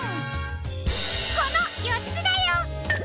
このよっつだよ！